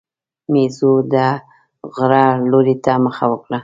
مېزو د غره لوري ته مخه وکړه.